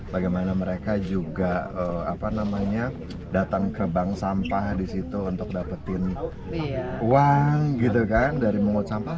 bagaimana mereka juga datang ke bank sampah disitu untuk dapetin uang gitu kan dari memungut sampah